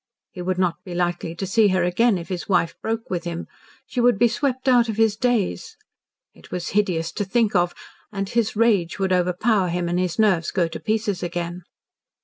He would not be likely to see her again if his wife broke with him; she would be swept out of his days. It was hideous to think of, and his rage would overpower him and his nerves go to pieces again.